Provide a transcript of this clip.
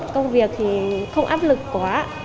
công việc thì không áp lực quá